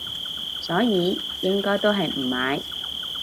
所以應該都係唔買